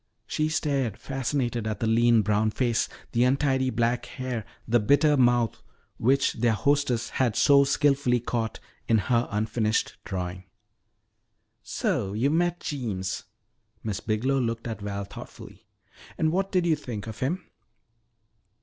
She stared, fascinated, at the lean brown face, the untidy black hair, the bitter mouth, which their hostess had so skilfully caught in her unfinished drawing. "So you've met Jeems." Miss Biglow looked at Val thoughtfully. "And what did you think of him?"